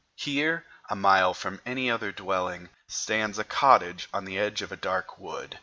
Here, a mile from any other dwelling, stands a cottage on the edge of a dark wood.